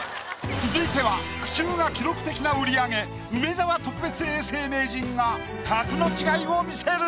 続いては句集が記録的な売り上げ梅沢特別永世名人が格の違いを見せる！